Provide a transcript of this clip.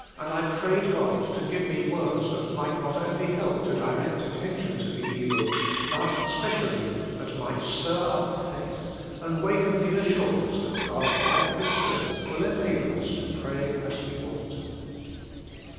And I prayed God to give me words that might not only help to direct attention to the evil, but, specially, that might stir up faith, and waken the assurance that God by His Spirit will enable us to pray as we ought.